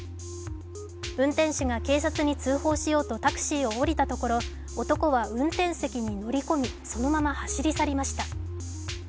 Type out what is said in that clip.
運転手が警察に通報しようとタクシーを降りたところ男は運転席に乗り込み、そのまま走り去りました。